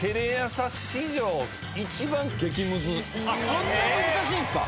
そんな難しいんですか？